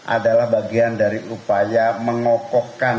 adalah bagian dari upaya mengokokkan